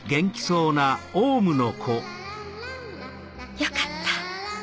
よかった。